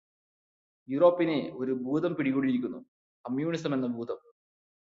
യൂറോപ്പിനെ ഒരു ഭൂതം പിടികൂടിയിരിക്കുന്നു - കമ്മ്യൂണിസമെന്ന ഭൂതം.